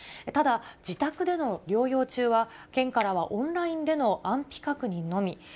ただ、自宅での療養中は、県からはオンラインでの安否確認のみ。